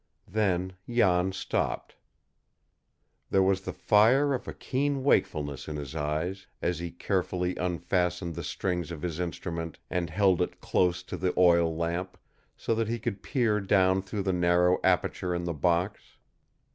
Then Jan stopped. There was the fire of a keen wakefulness in his eyes as he carefully unfastened the strings of his instrument, and held it close to the oil lamp, so that he could peer down through the narrow aperture in the box.